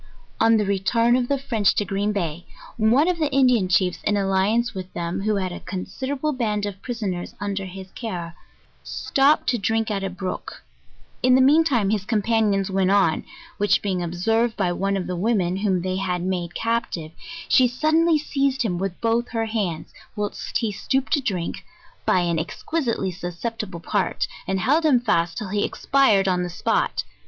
On the return of the French to Green Day, one of the Indian chiefs in alliance with them, who had a considerable band of prisoners, under his care, stopped to drink at a brook; in the mean time his compan ions went on, which being observed by one of the women, whom they had made captive, she suddenly seized him with both her hands, whilst he stooped to drink, by an exquisitely susceptible part, and held him fast till he expired on the spot.